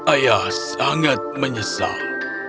ayah sangat menyesal